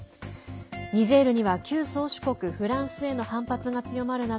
ニジェールには旧宗主国フランスへの反発が強まる中